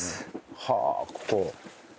はあここ。